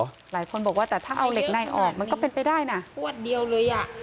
หลายคนบอกว่าแต่ถ้าเอาเหล็กในออกมันก็เป็นไปได้นะรวดเดียวเลยอ่ะ